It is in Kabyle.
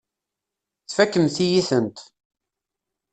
Tfakemt-iyi-tent.